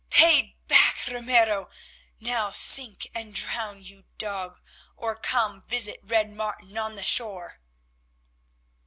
paid back, Ramiro! Now sink and drown, you dog, or come, visit Red Martin on the shore."